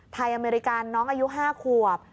ไทยอเมริกานน้องอายุ๕ควบ